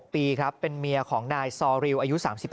ปีครับเป็นเมียของนายซอริวอายุ๓๕